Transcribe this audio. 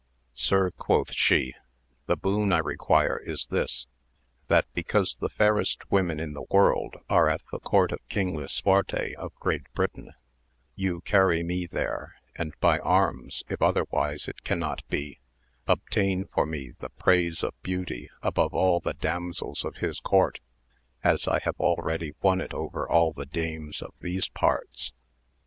Sir, quotli she, the boon I require ^is this : that because the fairest women in the world ai^ at the court of King Lisuarte of Great Bri tain, you carry me there, and by arms if otherwise it cannot be, obtain for me the praise of beauty above all the damsels of his court, as I have already won it over all the dames of these parts.